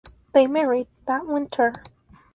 They married that winter.